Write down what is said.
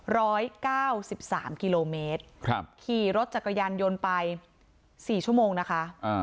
ร้อยเก้าสิบสามกิโลเมตรครับขี่รถจักรยานยนต์ไปสี่ชั่วโมงนะคะอ่า